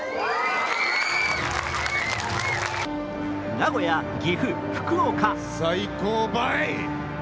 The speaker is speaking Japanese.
名古屋、岐阜、福岡。